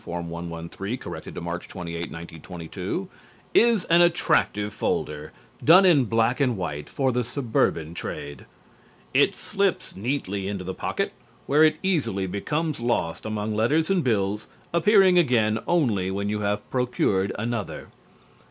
Form 113. Corrected to March 28, 1922) is an attractive folder, done in black and white, for the suburban trade. It slips neatly into the pocket, where it easily becomes lost among letters and bills, appearing again only when you have procured another.